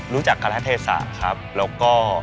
รู้จักการะเทศะครับแล้วก็